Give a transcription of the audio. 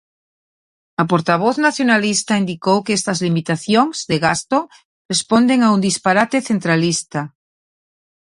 A portavoz nacionalista indicou que estas limitacións de gasto responden a un disparate centralista.